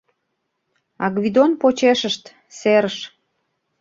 А Гвидон почешышт — серыш